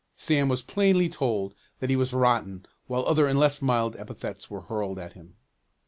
Sam was plainly told that he was "rotten" while other and less mild epithets were hurled at him.